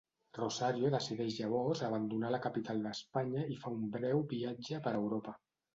Rosario decideix llavors abandonar la capital d'Espanya i fa un breu viatge per Europa.